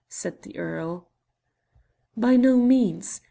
said the earl. "By no means.